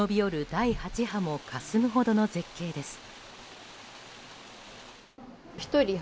第８波もかすむほどの絶景です。